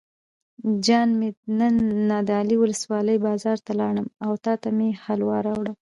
جان مې نن نادعلي ولسوالۍ بازار ته لاړم او تاته مې حلوا راوړل.